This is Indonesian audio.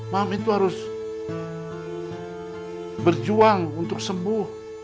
mami tuh harus berjuang untuk sembuh